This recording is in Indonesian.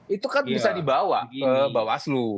itu kan bisa dibawa ke bawaslu